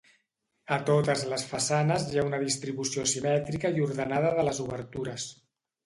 A totes les façanes hi ha una distribució simètrica i ordenada de les obertures.